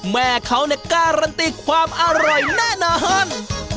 แม่เขาการันตีความอร่อยแน่นอน